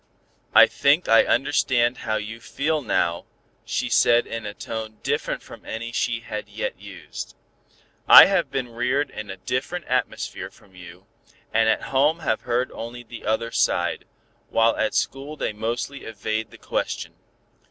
"I think I understand how you feel now," she said in a tone different from any she had yet used. "I have been reared in a different atmosphere from you, and at home have heard only the other side, while at school they mostly evade the question.